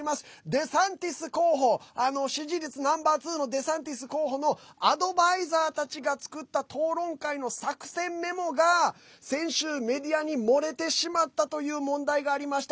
デサンティス候補支持率ナンバー２のデサンティス候補のアドバイザーたちが作った討論会の作戦メモが先週メディアに漏れてしまったという問題がありました。